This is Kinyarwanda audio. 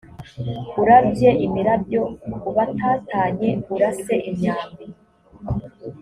urabye imirabyo ubatatanye urase imyambi